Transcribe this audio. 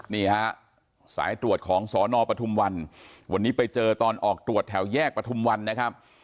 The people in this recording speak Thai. นี่ฮะสายตรวจของสนปทุมวันวันนี้ไปเจอตอนออกตรวจแถวแยกประทุมวันนะครับ